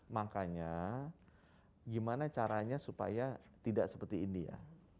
makanya gimana caranya supaya tidak seperti ini ya